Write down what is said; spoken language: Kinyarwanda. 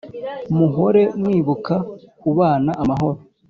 muhore mwibuka kubana amahoro